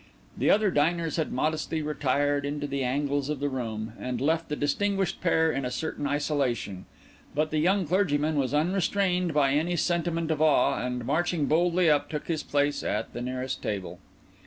The other diners had modestly retired into the angles of the room, and left the distinguished pair in a certain isolation, but the young clergyman was unrestrained by any sentiment of awe, and, marching boldly up, took his place at the nearest table.